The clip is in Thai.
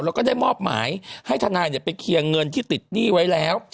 แล้วก็ได้มอบหมายให้ทนายไปเคลียร์เงินที่ติดหนี้ไว้แล้ว